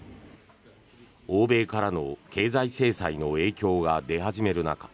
欧米からの経済制裁の影響が出始める中